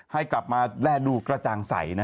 ให้กลับมาแร่ดูกระจ่างใส